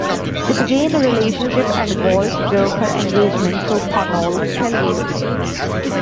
They began a relationship, and Walsh broke her engagement to Pownoll Pellew.